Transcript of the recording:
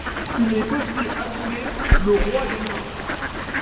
Il est aussi appelé le roi des nains.